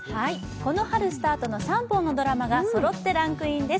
この春スタートの３本のドラマがそろってランクインです。